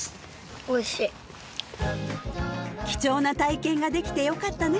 おいしい貴重な体験ができてよかったね